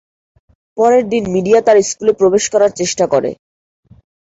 পরের দিন মিডিয়া তার স্কুলে প্রবেশ করার চেষ্টা করে।